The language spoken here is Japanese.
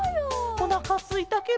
おなかすいたケロ。